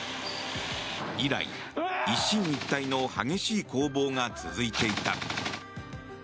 以来、一進一退の激しい攻防が続いていた。